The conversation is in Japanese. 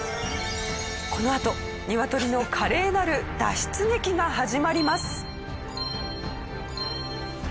このあとニワトリの華麗なる脱出劇が始まります。